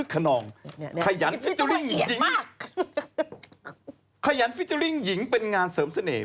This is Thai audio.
ขยันฟิเจอร์ริ้งหญิงเป็นงานเสริมเสน่ห์